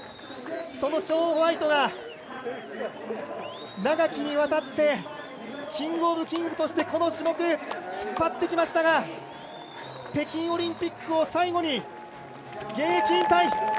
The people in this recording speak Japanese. そのショーン・ホワイトが長きにわたってキングオブキングとしてこの種目、引っ張ってきましたが北京オリンピックを最後に現役引退。